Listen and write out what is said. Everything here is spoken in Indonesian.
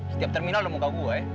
setiap terminal udah muka gue